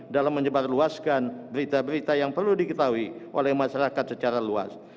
dalam menyebarluaskan berita berita yang perlu diketahui oleh masyarakat secara luas